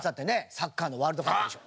サッカーのワールドカップでしょ。